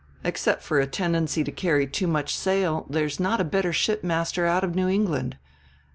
Except for a tendency to carry too much sail there's not a better shipmaster out of New England.